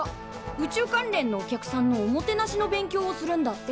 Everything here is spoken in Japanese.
宇宙関連のお客さんのおもてなしの勉強をするんだって。